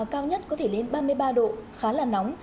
cao nhất có thể lên ba mươi ba độ khá là nóng